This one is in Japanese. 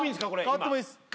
代わってもいいです